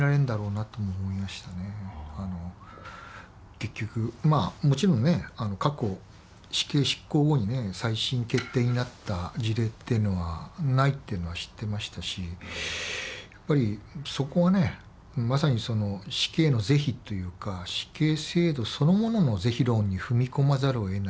結局もちろんね過去死刑執行後にね再審決定になった事例っていうのはないっていうのは知ってましたしやっぱりそこはねまさにその死刑の是非というか死刑制度そのものの是非論に踏み込まざるをえないっていうか。